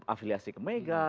afiliasi ke mega